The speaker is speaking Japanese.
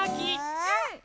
うん！